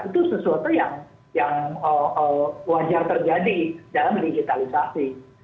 itu sesuatu yang wajar terjadi dalam digitalisasi